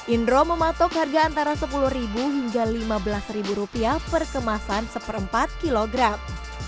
indro mematok harga antara sepuluh hingga lima belas rupiah per kemasan seperempat kilogram